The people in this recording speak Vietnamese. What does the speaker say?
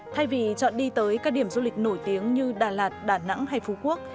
thay vì chọn đi tới các điểm du lịch nổi tiếng như đà lạt đà nẵng hay phú quốc